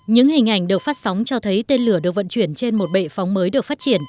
những hình ảnh được phát sóng cho thấy tên lửa được vận chuyển trên một bệ phóng mới